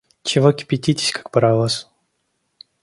Чего кипятитесь, как паровоз?